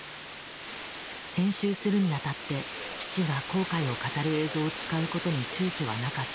編集するにあたって父が後悔を語る映像を使うことにちゅうちょはなかった。